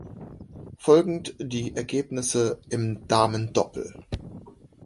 Folgend die Ergebnisse im Damendoppel.